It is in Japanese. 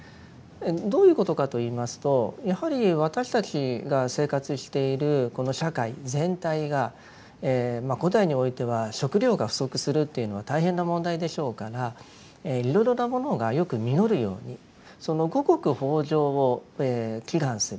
どういうことかと言いますとやはり私たちが生活しているこの社会全体が古代においては食糧が不足するというのは大変な問題でしょうからいろいろなものがよく実るようにその五穀豊穣を祈願する。